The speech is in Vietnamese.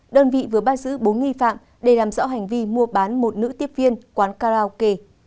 đơn vị vừa bắt giữ bốn nghi phạm để làm rõ hành vi mua bán một nữ tiếp viên quán karaoke